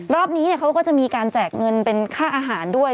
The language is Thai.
รอบนี้เขาก็จะมีการแจกเงินเป็นค่าอาหารด้วย